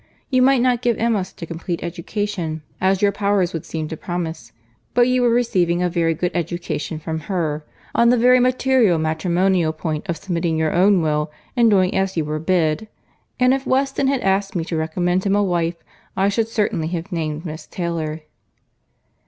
You might not give Emma such a complete education as your powers would seem to promise; but you were receiving a very good education from her, on the very material matrimonial point of submitting your own will, and doing as you were bid; and if Weston had asked me to recommend him a wife, I should certainly have named Miss Taylor."